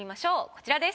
こちらです。